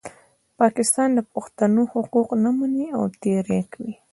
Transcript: پاکستان د پښتنو حقوق نه مني او تېری کوي.